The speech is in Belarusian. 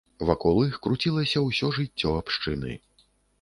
Вакол іх круцілася ўсё жыццё абшчыны.